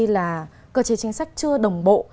là cơ chế chính sách chưa đồng bộ